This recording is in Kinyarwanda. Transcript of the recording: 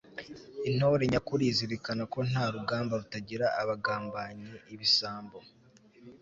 intore nyakuri izirikana ko nta rugamba rutagira abagambanyi, ibisambo